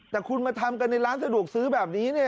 แต่คุณมาทำกันในร้านสะดวกซื้อแบบนี้เนี่ย